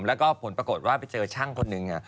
แล้วก็ผลปรากฏว่าไปเจอช่างคนหนึ่ง